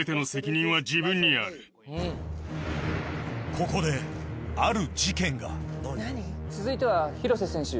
ここである続いては廣瀬選手